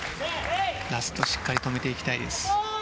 ラスト、しっかり止めていきたいです。